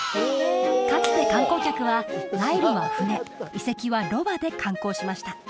かつて観光客はナイルは船遺跡はロバで観光しました